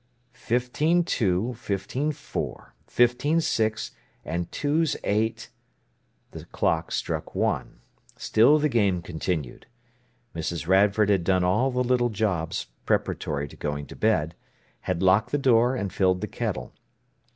"Fifteen two, fifteen four, fifteen six, and two's eight—!" The clock struck one. Still the game continued. Mrs. Radford had done all the little jobs preparatory to going to bed, had locked the door and filled the kettle.